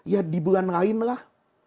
ya di bulan lain lah